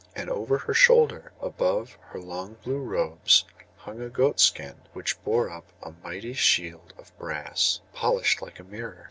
And over her shoulder, above her long blue robes, hung a goat skin, which bore up a mighty shield of brass, polished like a mirror.